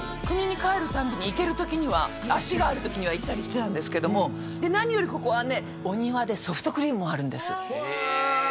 くにに帰るたんびに行ける時には足がある時には行ったりしてたんですけどもで何よりここはねお庭でソフトクリームもあるんですへえ